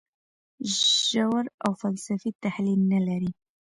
ژور او فلسفي تحلیل نه لري.